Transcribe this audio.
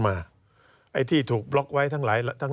การเลือกตั้งครั้งนี้แน่